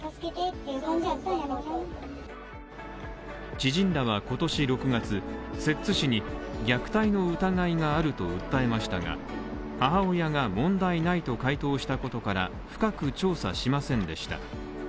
知人らは今年６月、摂津市に虐待の疑いがあると訴えましたが母親が問題ないと回答したことから、深く調査しませんでした。